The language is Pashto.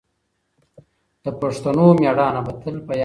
د پښتنو مېړانه به تل په یاد وي.